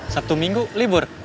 sabtu minggu libur